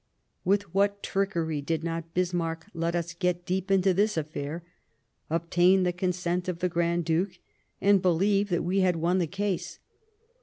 With what trickery did not Bismarck let us get deep into this affair, obtain the consent of the Grand Duke, and believe that we had won the case